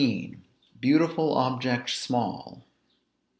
BEAUTIFUL OBJECTS SMALL.